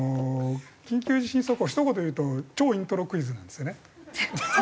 緊急地震速報はひと言で言うと超イントロクイズなんですよね。